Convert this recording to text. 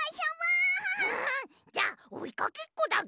じゃあおいかけっこだぐ。